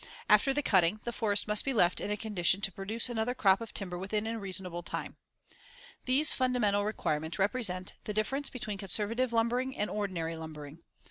After the cutting, the forest must be left in a condition to produce another crop of timber within a reasonable time: see Fig. 122. These fundamental requirements represent the difference between conservative lumbering and ordinary lumbering.